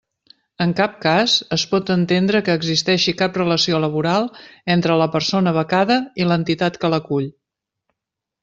En cap cas, es pot entendre que existeixi cap relació laboral entre la persona becada i l'entitat que l'acull.